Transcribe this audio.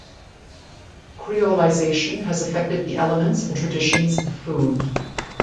Creolization has affected the elements and traditions of food.